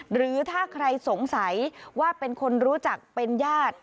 หรือถ้าใครสงสัยว่าเป็นคนรู้จักเป็นญาติ